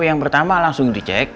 yang pertama langsung dicek